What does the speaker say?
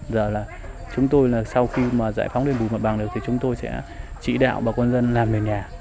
giờ là chúng tôi là sau khi mà giải phóng lên bùi mặt bằng được thì chúng tôi sẽ chỉ đạo bà con dân làm nền nhà